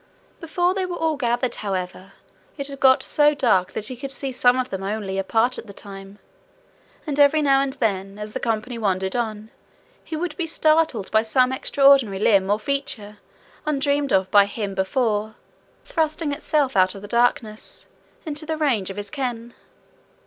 Before they were all gathered, however, it had got so dark that he could see some of them only a part at a time, and every now and then, as the company wandered on, he would be startled by some extraordinary limb or feature, undreamed of by him before, thrusting itself out of the darkness into the range of his ken.